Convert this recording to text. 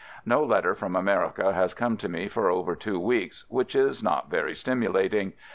No letter from America has come to me for over two weeks, which is not very stimulating.